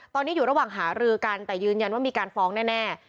ตอนนี้อยู่ระหว่างหารือกันแต่ยืนยันว่ามีการฟ้องแน่